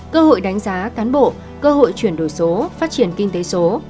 cơ hội đánh giá cán bộ cơ hội chuyển đổi số phát triển kinh tế số